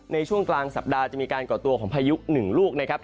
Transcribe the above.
ในช่วงกลางสัปดาห์จะมีการก่อตัวของพายุหนึ่งลูกนะครับ